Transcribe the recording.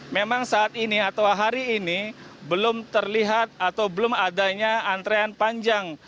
memang saat ini atau hari ini belum terlihat atau belum adanya antrean panjang